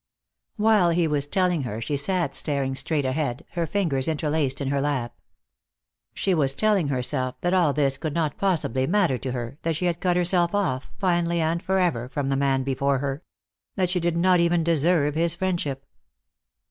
While he was telling her she sat staring straight ahead, her fingers interlaced in her lap. She was telling herself that all this could not possibly matter to her, that she had cut herself off, finally and forever, from the man before her; that she did not even deserve his friendship.